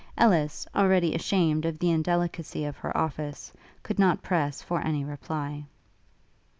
Ellis, already ashamed of the indelicacy of her office, could not press for any reply.